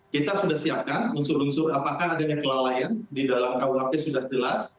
kita sudah siapkan unsur unsur apakah adanya kelalaian di dalam kuhp sudah jelas